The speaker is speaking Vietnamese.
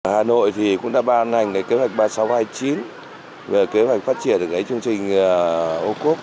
hà nội cũng đã ban hành kế hoạch ba nghìn sáu trăm hai mươi chín về kế hoạch phát triển chương trình ô cốp